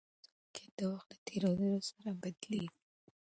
ټولنیز واقیعت د وخت له تېرېدو سره بدلېږي.